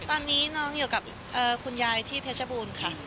ตอนนี้น้องอยู่กับคุณยายที่เพชรบูรณ์ค่ะ